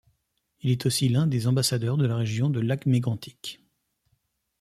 Il est aussi l'un des ambassadeurs de la région de Lac-Mégantic.